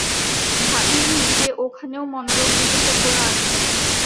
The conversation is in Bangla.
ভাবিইনি যে ওখানেও মনোরোগ বিশেষজ্ঞরা আছেন।